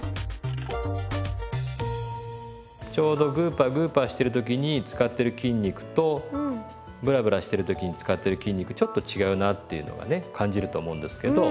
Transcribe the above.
ちょうどグーパーグーパーしてる時に使ってる筋肉とブラブラしてる時に使ってる筋肉ちょっと違うなっていうのがね感じると思うんですけど。